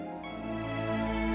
aku akan mencari tuhan